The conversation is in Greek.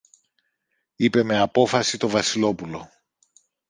είπε με απόφαση το Βασιλόπουλο.